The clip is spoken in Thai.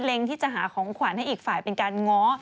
ที่จะหาของขวัญให้อีกฝ่ายเป็นการง้อ